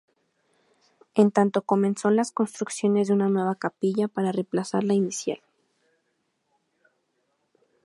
En tanto comenzó las construcciones de una nueva capilla para reemplazar la inicial.